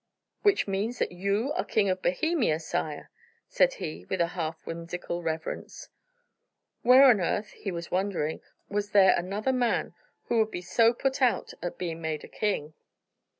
"Which means that you are King of Bohemia ... sire!" said he, with a half whimsical reverence. Where on earth he was wondering was there another man who would be so put out at being made a king?